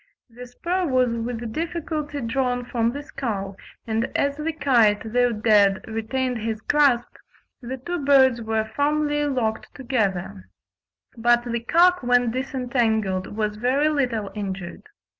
The spur was with difficulty drawn from the skull, and as the kite, though dead, retained his grasp, the two birds were firmly locked together; but the cock when disentangled was very little injured.